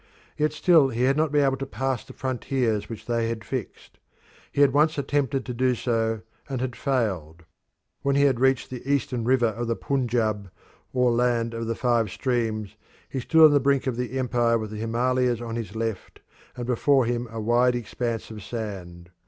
Yet still he had not been able to pass the frontiers which they had fixed. He had once attempted to do so and had failed. When he had reached the eastern river of the Punjab, or "Land of the Five Streams," he stood on the brink of the empire with the Himalayas on his left and before him a wide expanse of sand.